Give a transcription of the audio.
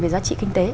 về giá trị kinh tế